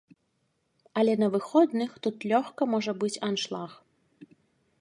Але на выходных тут лёгка можа быць аншлаг.